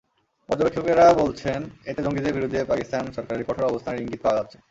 পর্যবেক্ষকেরা বলছেন, এতে জঙ্গিদের বিরুদ্ধে পাকিস্তান সরকারের কঠোর অবস্থানের ইঙ্গিত পাওয়া যাচ্ছে।